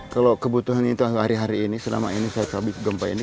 kalau kebutuhan itu hari hari ini selama ini saya terhabis gempa ini